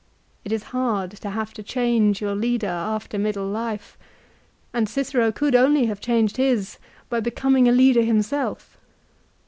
It is hard to have to change your leader after middle life, and Cicero could only have changed his by becoming a leader himself.